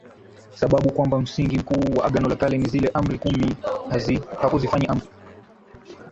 Sababu kwamba Msingi Mkuu wa Agano la kale ni zile Amri kumi hakuzifanyi amri